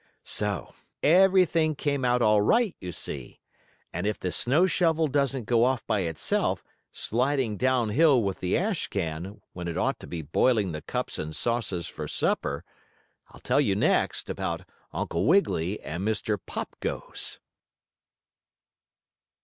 So everything came out all right, you see, and if the snow shovel doesn't go off by itself, sliding down hill with the ash can, when it ought to be boiling the cups and saucers for supper, I'll tell you next about Uncle Wiggily and Mr. Pop Goes.